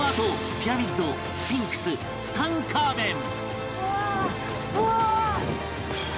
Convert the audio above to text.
ピラミッドスフィンクスツタンカーメン